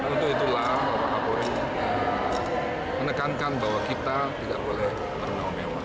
untuk itulah pak polri menekankan bahwa kita tidak boleh bernama mewah